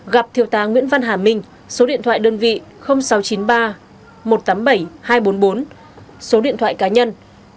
gặp thiêu tá nguyễn văn hà minh số điện thoại đơn vị sáu trăm chín mươi ba một trăm tám mươi bảy hai trăm bốn mươi bốn số điện thoại cá nhân chín mươi hai bốn trăm bốn mươi bốn ba nghìn tám trăm một mươi bảy